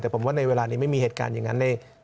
แต่ผมว่าในเวลานี้ไม่มีเหตุการณ์อย่างนั้นเลย